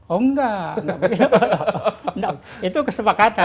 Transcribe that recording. oh enggak itu kesepakatan